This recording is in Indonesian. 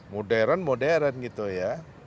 modern modern gitu ya